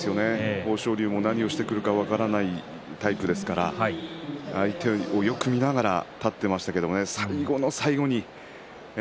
豊昇龍も何をしてくるか分からない相手ですから相手をよく見ながら立っていましたけどね。